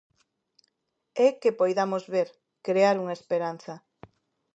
É que poidamos ver, crear unha esperanza.